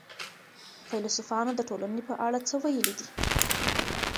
فيلسوفانو د ټولني په اړه څه ويلي دي؟